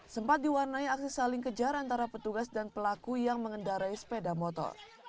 sempat diwarnai aksi saling kejar antara petugas dan pelaku yang mengendarai sepeda motor